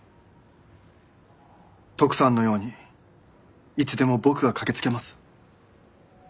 トクさんのようにいつでも僕が駆けつけます。